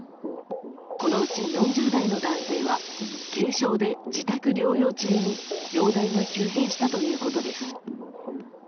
このうち４０代の男性は軽症で自宅療養中に容体が急変したということです。